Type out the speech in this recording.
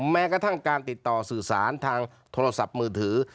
แม้กระทั่งการติดต่อสื่อสารทางโทรศัพท์มือถือ